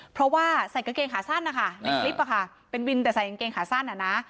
เพราะว่าใส่กางเกงขาสั้นนะคะเป็นวินแต่ใส่กางเกงขาสั้น